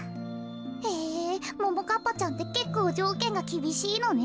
へぇももかっぱちゃんってけっこうじょうけんがきびしいのね。